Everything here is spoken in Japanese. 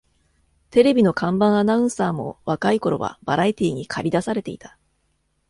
テレビの看板アナウンサーも若い頃はバラエティーにかり出されていた